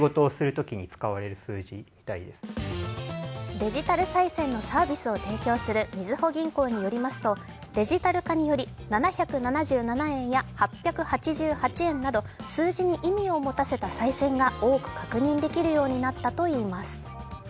デジタルさい銭のサービスを提供するみずほ銀行によりますとデジタル化により、７７７円や８８８円など数字に意味を持たせたさい銭が多く確認できるようになったといいます。